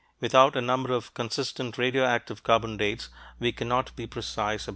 Without a number of consistent radioactive carbon dates, we cannot be precise about priorities.